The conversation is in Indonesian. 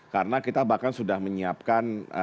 karena kita bahkan sudah menyiapkan